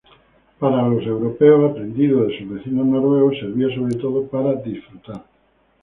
Para los europeos, aprendido de sus vecinos noruegos, servía sobre todo para disfrutar.